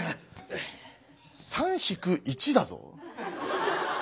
３引く１だぞ。